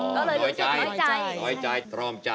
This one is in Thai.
ก็เลยเรียกว่าจะง่อยใจค่ะน้อยใจตรอมใจ